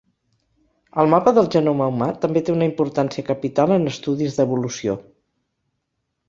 El mapa del genoma humà també té una importància capital en estudis d'evolució.